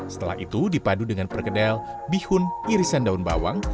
setelah itu dipadu dengan perkedel bihun irisan daun bawang